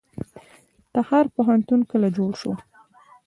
تخار پوهنتون کله جوړ شو؟